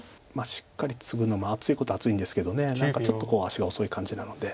しっかりツグのも厚いことは厚いんですけど何かちょっと足が遅い感じなので。